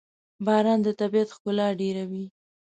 باران د طبیعت ښکلا ډېروي.